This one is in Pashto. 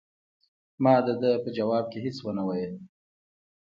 ما د ده په ځواب کې هیڅ ونه ویل.